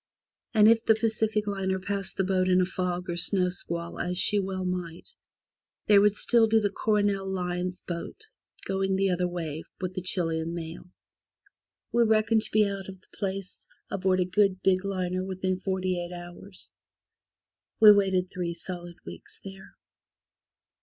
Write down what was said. And if the Pacific liner passed the boat in a fog or snow squall, as she well might, there would still be the Coronel Line's boat going the other way with the Chile mail. We reckoned to be out of the place aboard a good big liner within forty eight hours. We waited three solid weeks there.